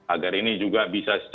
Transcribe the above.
agar ini juga bisa